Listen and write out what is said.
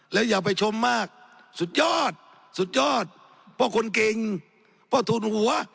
แล้วอย่าไปชมมากสุดยอดสุดยอดเพราะคุณกิ่งเพราะทุนหัว